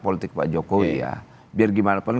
politik pak jokowi ya biar gimana pun